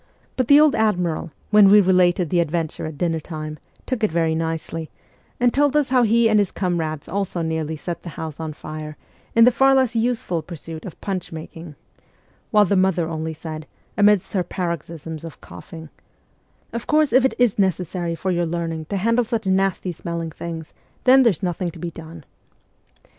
But the old admiral, when we related the adventure at dinner time, took it very nicely, and told us how he and his comrades also nearly set a house on fire in the far less useful pursuit of punch making ; while the mother only said, amidst her paroxysms of coughing: 'Of course, if it is necessary for your learning to handle such nasty smelling things, then there's nothing to be done